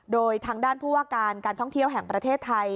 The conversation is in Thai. โดยทางด้านผู้ว่าการการท่องเที่ยวแห่งประเทศไทย